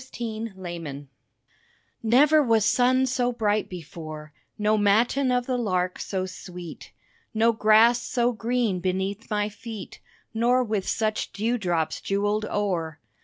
A SUMMER MORNING Never was sun so bright before, No matin of the lark so sweet, No grass so green beneath my feet, Nor with such dewdrops jewelled o'er.